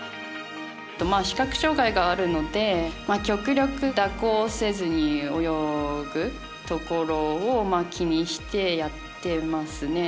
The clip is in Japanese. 視覚障がいがあるので極力、蛇行せずに泳ぐところを気にしてやってますね。